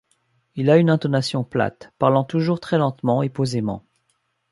Il a une intonation plate, parlant toujours très lentement et posément.